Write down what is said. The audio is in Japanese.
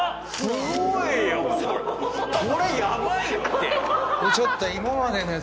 すごいよ！